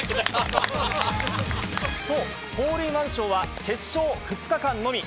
そう、ホールインワン賞は決勝２日間のみ。